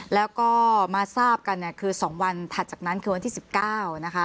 แล้วก็มาทราบกันเนี่ยคือ๒วันถัดจากนั้นคือวันที่๑๙นะคะ